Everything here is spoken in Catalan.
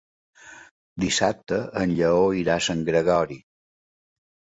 Dissabte en Lleó irà a Sant Gregori.